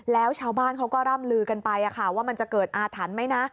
แล้วชาวบ้านเขาก็ร่ำลือกันไปว่ามันจะเกิดอาถรรพ์ไหมนะ